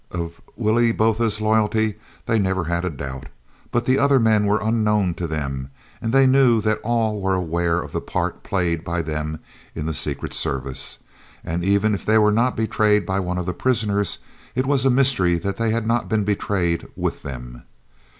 Of Willie Botha's loyalty they never had a doubt, but the other men were unknown to them, and they knew that all were aware of the part played by them in the Secret Service. And even if they were not betrayed by one of the prisoners, it was a mystery that they had not been betrayed with them.